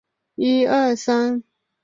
云南金茅为禾本科金茅属下的一个种。